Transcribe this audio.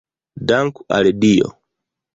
Danku al Dio!